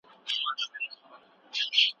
کله چې ولور ادا سي نکاح ژر ترسره کيږي.